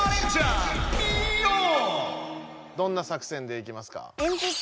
どんな作戦でいきますか？